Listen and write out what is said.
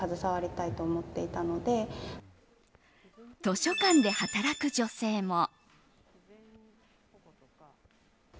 図書館で働く女性も。